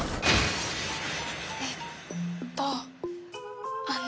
えっとあの。